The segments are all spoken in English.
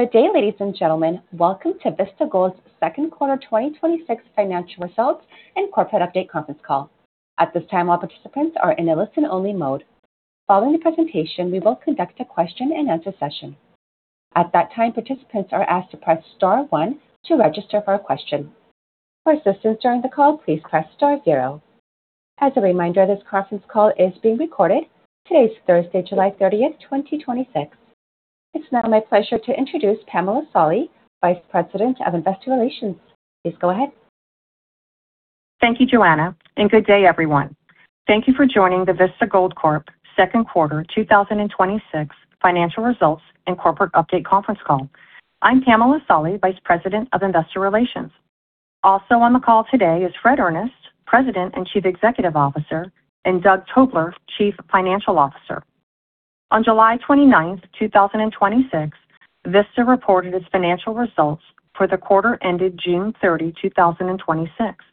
Good day, ladies and gentlemen. Welcome to Vista Gold's second quarter 2026 financial results and corporate update conference call. At this time, all participants are in a listen-only mode. Following the presentation, we will conduct a question-and-answer session. At that time, participants are asked to press star one to register for a question. For assistance during the call, please press star zero. As a reminder, this conference call is being recorded. Today is Thursday, July 30th, 2026. It's now my pleasure to introduce Pamela Solly, Vice President of Investor Relations. Please go ahead. Thank you, Joanna. Good day, everyone. Thank you for joining the Vista Gold Corp second quarter 2026 financial results and corporate update conference call. I'm Pamela Solly, Vice President of Investor Relations. Also on the call today is Fred Earnest, President and Chief Executive Officer, and Doug Tobler, Chief Financial Officer. On July 29th, 2026, Vista reported its financial results for the quarter ended June 30, 2026.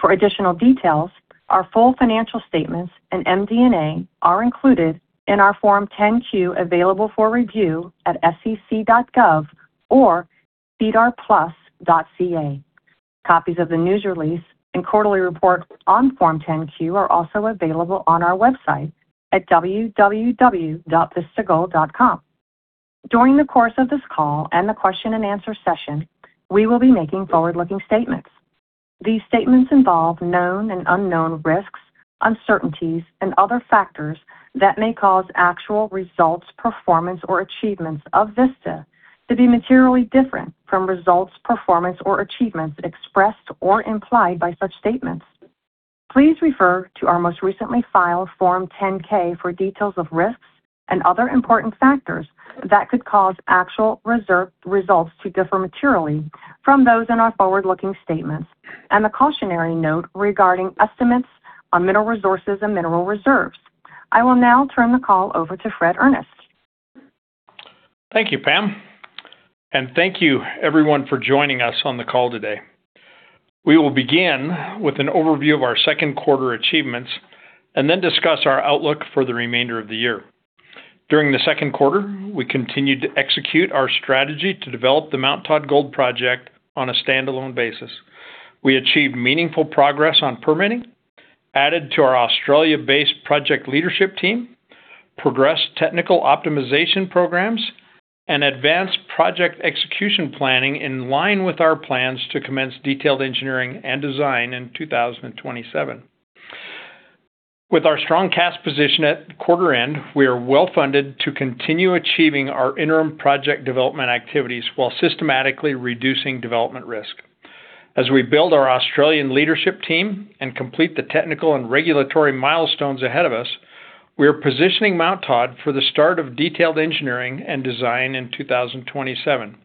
For additional details, our full financial statements and MD&A are included in our Form 10-Q available for review at sec.gov or sedarplus.ca. Copies of the news release and quarterly report on Form 10-Q are also available on our website at www.vistagold.com. During the course of this call and the question and answer session, we will be making forward-looking statements. These statements involve known and unknown risks, uncertainties, and other factors that may cause actual results, performance, or achievements of Vista to be materially different from results, performance, or achievements expressed or implied by such statements. Please refer to our most recently filed Form 10-K for details of risks and other important factors that could cause actual results to differ materially from those in our forward-looking statements and the cautionary note regarding estimates on mineral resources and mineral reserves. I will now turn the call over to Fred Earnest. Thank you, Pam. Thank you everyone for joining us on the call today. We will begin with an overview of our second quarter achievements and then discuss our outlook for the remainder of the year. During the second quarter, we continued to execute our strategy to develop the Mt Todd gold project on a standalone basis. We achieved meaningful progress on permitting, added to our Australia-based project leadership team, progressed technical optimization programs, and advanced project execution planning in line with our plans to commence detailed engineering and design in 2027. With our strong cash position at quarter end, we are well funded to continue achieving our interim project development activities while systematically reducing development risk. As we build our Australian leadership team and complete the technical and regulatory milestones ahead of us, we are positioning, Mt Todd for the start of detailed engineering and design in 2027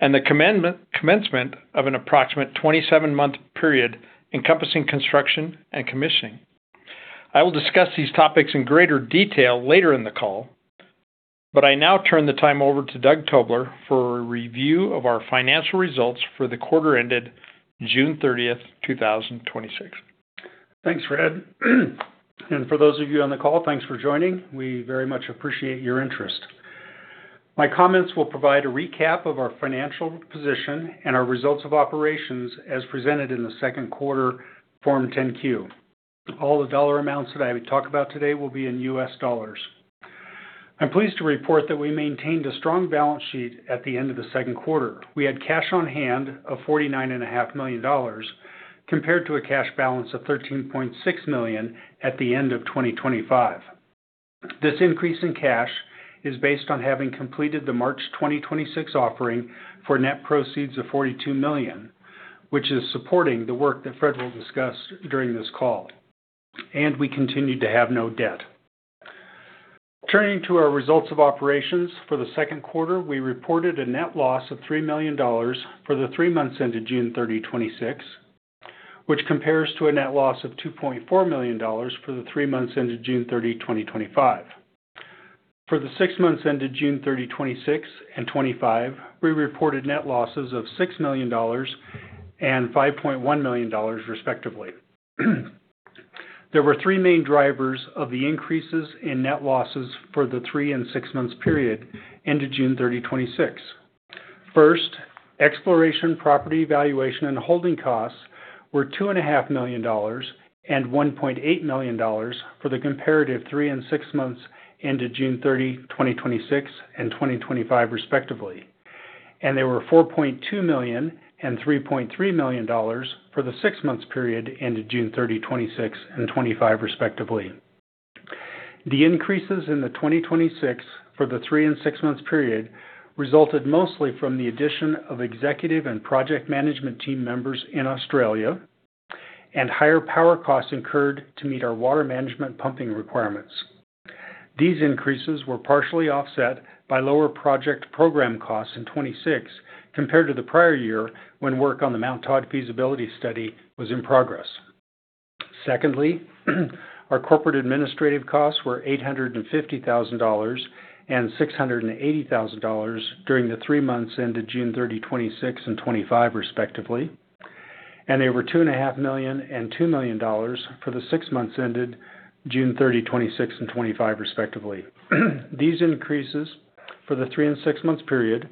and the commencement of an approximate 27-month period encompassing construction and commissioning. I will discuss these topics in greater detail later in the call, I now turn the time over to Doug Tobler for a review of our financial results for the quarter ended June 30, 2026. Thanks, Fred. For those of you on the call, thanks for joining. We very much appreciate your interest. My comments will provide a recap of our financial position and our results of operations as presented in the second quarter Form 10-Q. All the dollar amounts that I will talk about today will be in U.S. dollars. I'm pleased to report that we maintained a strong balance sheet at the end of the second quarter. We had cash on hand of $49.5 million compared to a cash balance of $13.6 million at the end of 2025. This increase in cash is based on having completed the March 2026 offering for net proceeds of $42 million, which is supporting the work that Fred will discuss during this call. We continue to have no debt. Turning to our results of operations. For the second quarter, we reported a net loss of $3 million for the three months ended June 30, 2026, which compares to a net loss of $2.4 million for the three months ended June 30, 2025. For the six months ended June 30, 2026 and 2025, we reported net losses of $6 million and $5.1 million respectively. There were three main drivers of the increases in net losses for the three and six months period ended June 30, 2026. First, exploration, property valuation, and holding costs were $2.5 million and $1.8 million for the comparative three and six months ended June 30, 2026 and 2025 respectively, and they were $4.2 million and $3.3 million for the six months period ended June 30, 2026 and 2025 respectively. The increases in the 2026 for the three and six months period resulted mostly from the addition of executive and project management team members in Australia and higher power costs incurred to meet our water management pumping requirements. These increases were partially offset by lower project program costs in 2026 compared to the prior year when work on the Mt Todd feasibility study was in progress. Our corporate administrative costs were $850,000 and $680,000 during the three months ended June 30, 2026 and 2025 respectively. They were $2.5 million and $2 million for the six months ended June 30, 2026 and 2025 respectively. These increases for the three and six months period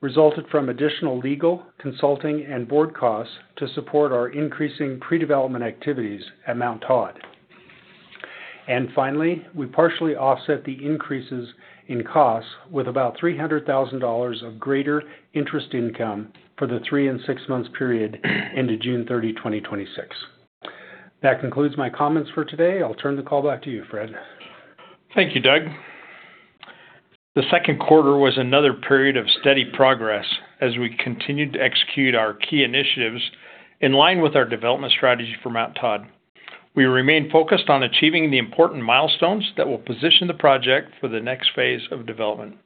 resulted from additional legal, consulting, and board costs to support our increasing pre-development activities at Mt Todd. We partially offset the increases in costs with about $300,000 of greater interest income for the three and six months period into June 30, 2026. That concludes my comments for today. I'll turn the call back to you, Fred. Thank you, Doug. The second quarter was another period of steady progress as we continued to execute our key initiatives in line with our development strategy for Mt Todd. We remain focused on achieving the important milestones that will position the project for the next phase of development.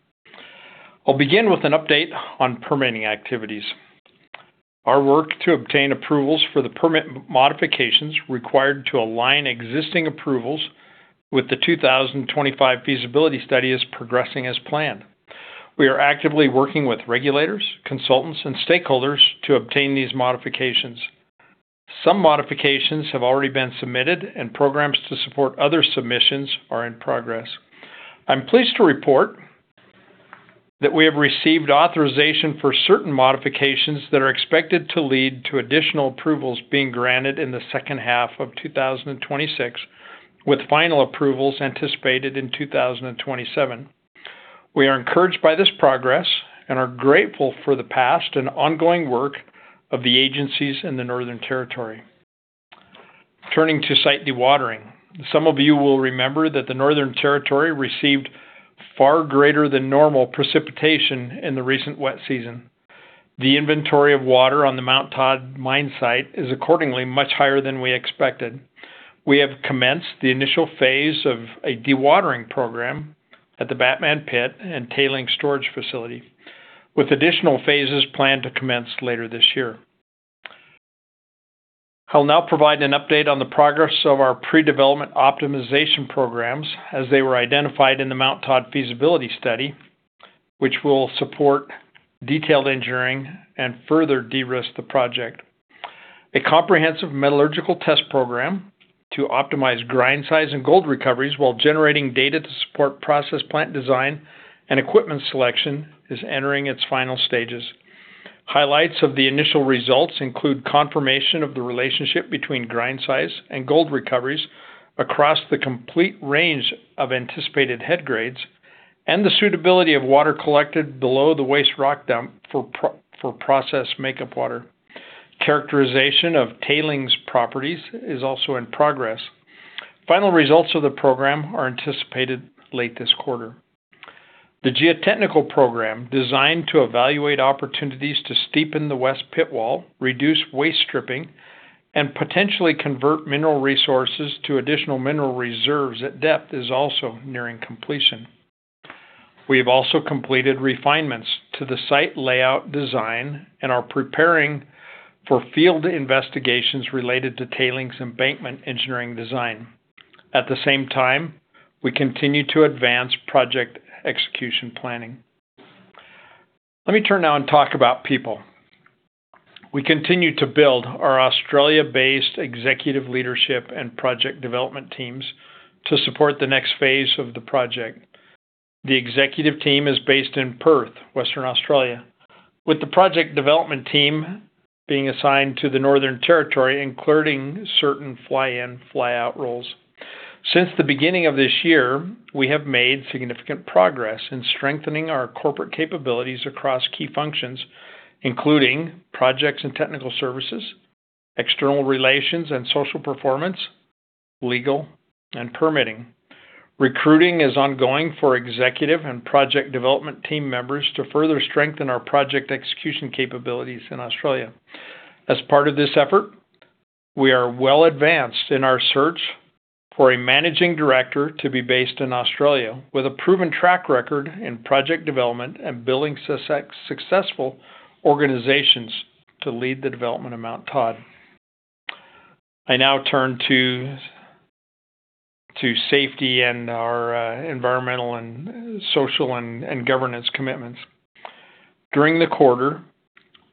I'll begin with an update on permitting activities. Our work to obtain approvals for the permit modifications required to align existing approvals with the 2025 feasibility study is progressing as planned. We are actively working with regulators, consultants, and stakeholders to obtain these modifications. Some modifications have already been submitted, and programs to support other submissions are in progress. I'm pleased to report that we have received authorization for certain modifications that are expected to lead to additional approvals being granted in the second half of 2026, with final approvals anticipated in 2027. We are encouraged by this progress and are grateful for the past and ongoing work of the agencies in the Northern Territory. Turning to site dewatering. Some of you will remember that the Northern Territory received far greater than normal precipitation in the recent wet season. The inventory of water on the Mt Todd mine site is accordingly much higher than we expected. We have commenced the initial phase of a dewatering program at the Batman pit and tailings storage facility, with additional phases planned to commence later this year. I'll now provide an update on the progress of our pre-development optimization programs as they were identified in the Mt Todd feasibility study, which will support detailed engineering and further de-risk the project. A comprehensive metallurgical test program to optimize grind size and gold recoveries while generating data to support process plant design and equipment selection is entering its final stages. Highlights of the initial results include confirmation of the relationship between grind size and gold recoveries across the complete range of anticipated head grades, and the suitability of water collected below the waste rock dump for process makeup water. Characterization of tailings properties is also in progress. Final results of the program are anticipated late this quarter. The geotechnical program designed to evaluate opportunities to steepen the west pit wall, reduce waste stripping, and potentially convert mineral resources to additional mineral reserves at depth is also nearing completion. We have also completed refinements to the site layout design and are preparing for field investigations related to tailings embankment engineering design. At the same time, we continue to advance project execution planning. Let me turn now and talk about people. We continue to build our Australia-based executive leadership and project development teams to support the next phase of the project. The executive team is based in Perth, Western Australia, with the project development team being assigned to the Northern Territory, including certain fly in, fly out roles. Since the beginning of this year, we have made significant progress in strengthening our corporate capabilities across key functions, including projects and technical services, external relations and social performance, legal, and permitting. Recruiting is ongoing for executive and project development team members to further strengthen our project execution capabilities in Australia. As part of this effort, we are well advanced in our search for a managing director to be based in Australia with a proven track record in project development and building successful organizations to lead the development of Mt Todd. I now turn to safety and our environmental and social and governance commitments. During the quarter,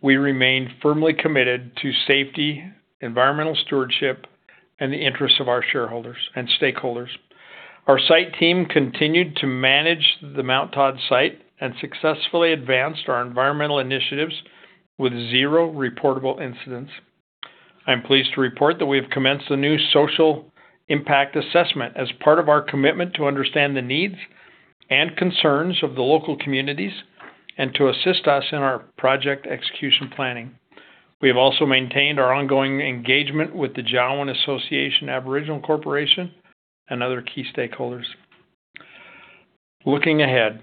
we remained firmly committed to safety, environmental stewardship, and the interests of our shareholders and stakeholders. Our site team continued to manage the Mt Todd site and successfully advanced our environmental initiatives with zero reportable incidents. I'm pleased to report that we have commenced a new social impact assessment as part of our commitment to understand the needs and concerns of the local communities and to assist us in our project execution planning. We have also maintained our ongoing engagement with the Jawoyn Association Aboriginal Corporation and other key stakeholders. Looking ahead.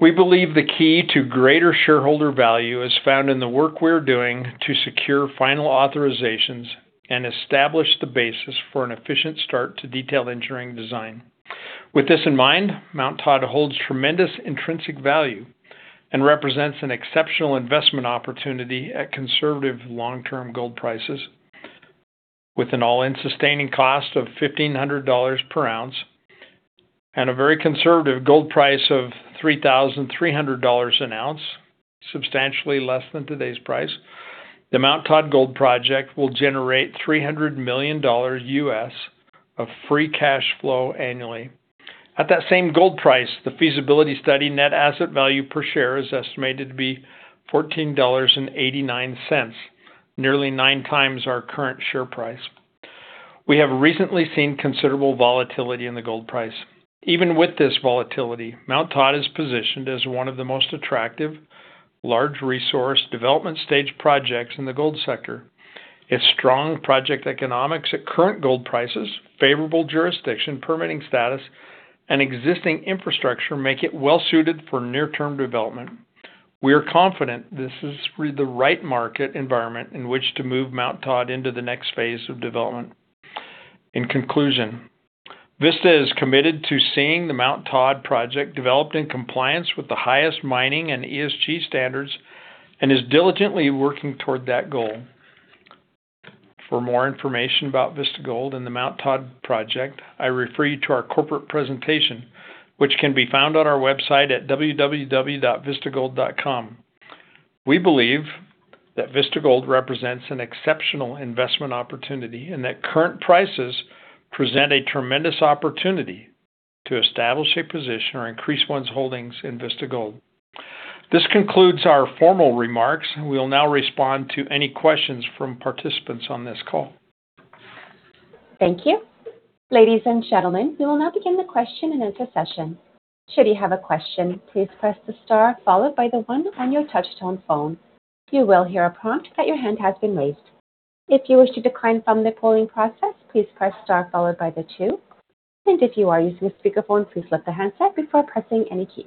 We believe the key to greater shareholder value is found in the work we're doing to secure final authorizations and establish the basis for an efficient start to detailed engineering design. With this in mind, Mt Todd holds tremendous intrinsic value and represents an exceptional investment opportunity at conservative long-term gold prices. With an all-in sustaining cost of $1,500 per ounce and a very conservative gold price of $3,300 an ounce, substantially less than today's price, the Mt Todd gold project will generate $300 million of free cash flow annually. At that same gold price, the feasibility study net asset value per share is estimated to be $14.89, nearly nine times our current share price. We have recently seen considerable volatility in the gold price. Even with this volatility, Mt Todd is positioned as one of the most attractive large resource development stage projects in the gold sector. Its strong project economics at current gold prices, favorable jurisdiction, permitting status, and existing infrastructure make it well-suited for near-term development. We are confident this is the right market environment in which to move Mt Todd into the next phase of development. In conclusion, Vista is committed to seeing the Mt Todd project developed in compliance with the highest mining and ESG standards and is diligently working toward that goal. For more information about Vista Gold and the Mt Todd project, I refer you to our corporate presentation, which can be found on our website at www.vistagold.com. We believe that Vista Gold represents an exceptional investment opportunity and that current prices present a tremendous opportunity to establish a position or increase one's holdings in Vista Gold. This concludes our formal remarks. We will now respond to any questions from participants on this call. Thank you. Ladies and gentlemen, we will now begin the question-and-answer session. Should you have a question, please press the star followed by the one on your touch tone phone. You will hear a prompt that your hand has been raised. If you wish to decline from the polling process, please press star followed by the two. If you are using a speakerphone, please lift the handset before pressing any keys.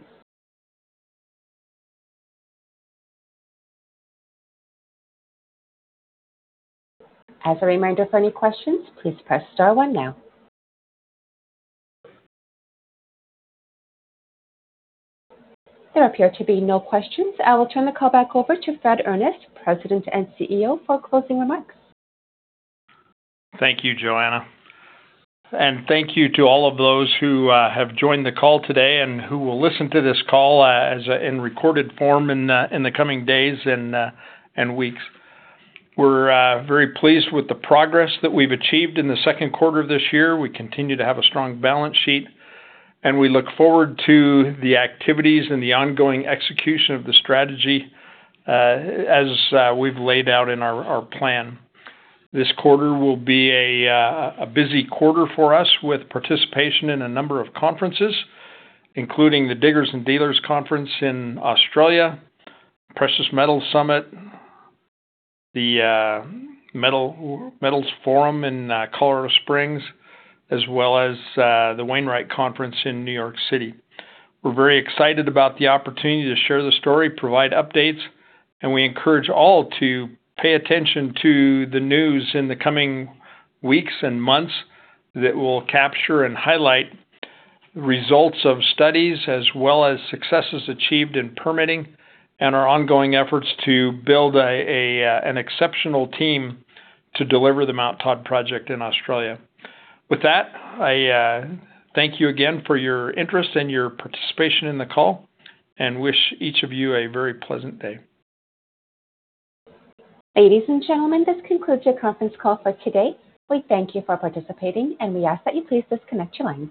As a reminder, for any questions, please press star one now. There appear to be no questions. I will turn the call back over to Fred Earnest, President and CEO, for closing remarks. Thank you, Joanna. Thank you to all of those who have joined the call today and who will listen to this call in recorded form in the coming days and weeks. We're very pleased with the progress that we've achieved in the second quarter of this year. We continue to have a strong balance sheet. We look forward to the activities and the ongoing execution of the strategy as we've laid out in our plan. This quarter will be a busy quarter for us with participation in a number of conferences, including the Diggers & Dealers Conference in Australia, Precious Metals Summit, the Gold Forum Americas in Colorado Springs, as well as the Wainwright Conference in New York City. We're very excited about the opportunity to share the story, provide updates. We encourage all to pay attention to the news in the coming weeks and months that will capture and highlight results of studies, as well as successes achieved in permitting and our ongoing efforts to build an exceptional team to deliver the Mt Todd project in Australia. With that, I thank you again for your interest and your participation in the call and wish each of you a very pleasant day. Ladies and gentlemen, this concludes your conference call for today. We thank you for participating, and we ask that you please disconnect your lines.